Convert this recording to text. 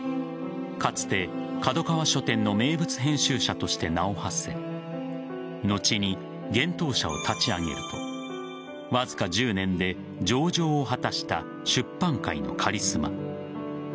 かつて、角川書店の名物編集者として名をはせ後に、幻冬舎を立ち上げるとわずか１０年で上場を果たした出版界のカリスマ。